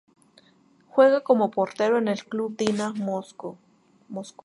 Juega como portero en el club Dina Moscú.